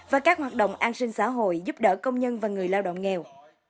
và các hoạt động an sinh xã hội giúp đỡ công nhân và người lao động nghèo